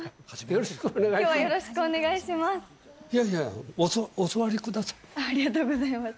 よろしくお願いします。